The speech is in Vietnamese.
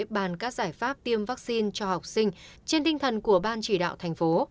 bàn các giải pháp tiêm vaccine cho học sinh trên tinh thần của ban chỉ đạo thành phố